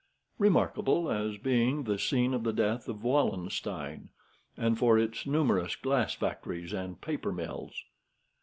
'Remarkable as being the scene of the death of Wallenstein, and for its numerous glass factories and paper mills.'